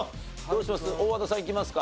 どうします？